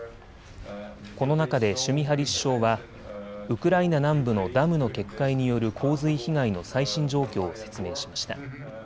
この中でシュミハリ首相はウクライナ南部のダムの決壊による洪水被害の最新状況を説明しました。